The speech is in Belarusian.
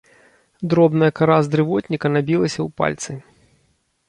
Дробная кара з дрывотніка набілася ў пальцы.